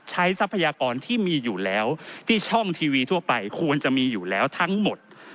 ทรัพยากรที่มีอยู่แล้วที่ช่องทีวีทั่วไปควรจะมีอยู่แล้วทั้งหมด